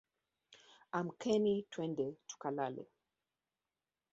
Amkeni twende tukalale